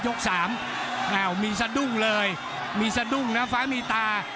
สามอ้าวมีสะดุ้งเลยมีสะดุ้งนะฟ้ามีตา